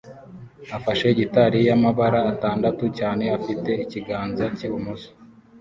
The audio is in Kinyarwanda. afashe gitari yamabara atandatu cyane afite ikiganza cyibumoso